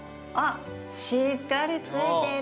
しっかりついてる！